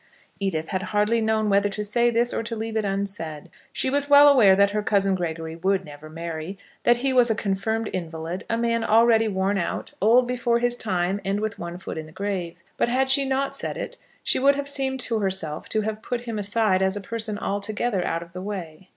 Edith had hardly known whether to say this or to leave it unsaid. She was well aware that her cousin Gregory would never marry, that he was a confirmed invalid, a man already worn out, old before his time, and with one foot in the grave. But had she not said it, she would have seemed to herself to have put him aside as a person altogether out of the way.